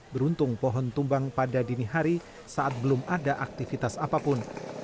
beruntung pohon tumbang pada dini hari saat belum ada aktivitas apapun